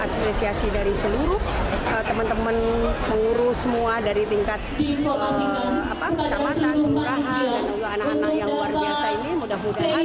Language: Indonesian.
dan juga ini aspetiasi dari seluruh teman teman pengurus semua dari tingkat camatan murahan dan juga anak anak yang luar biasa ini mudah mudahan